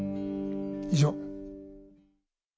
以上。